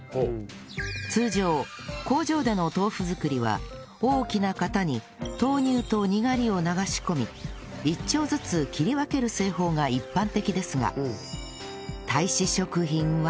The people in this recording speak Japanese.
通常工場での豆腐作りは大きな型に豆乳とにがりを流し込み一丁ずつ切り分ける製法が一般的ですが太子食品は